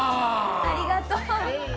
ありがとう。